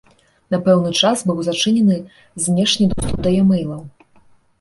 На пэўны час быў зачынены знешні доступ да е-мэйлаў.